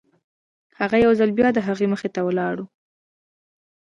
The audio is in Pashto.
هغه يو ځل بيا د هغه مخې ته ولاړ و.